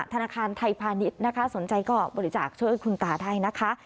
ธนาคารไทยพาณิชย์นะคะสนใจก็บริจาคช่วยคุณตาได้นะคะ